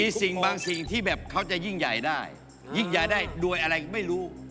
มีสิ่งบางสิ่งที่แบบเขาจะยิ่งใหญ่ได้ยิ่งใหญ่ได้โดยอะไรไม่รู้